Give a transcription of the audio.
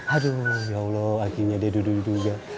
aduh ya allah akhirnya dia duduk juga